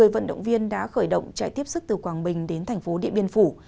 một mươi vận động viên đã khởi động chạy tiếp sức từ quảng bình đến thành phố điện biên phủ